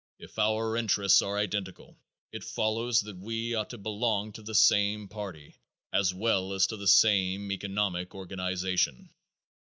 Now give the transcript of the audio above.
If our interests are identical, it follows that we ought to belong to the same party as well as to the same economic organization.